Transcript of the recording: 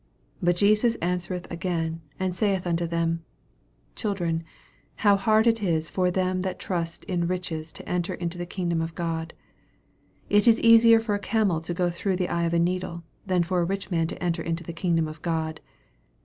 But Jesus an swereth again, and saith unto them, Children, how hard is it for them that trust in riches to enter into the kingdom of God ! 25 It is easier for a camel to go through the eye of a needle, than for a rich man to enter into the kingdom of God.